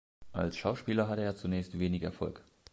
Als Schauspieler hatte er zunächst wenig Erfolg.